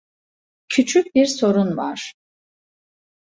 Küçük bir sorun var.